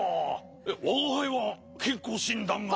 わがはいはけんこうしんだんがあるから。